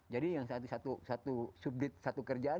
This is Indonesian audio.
jadi yang satu subdit satu kerjaan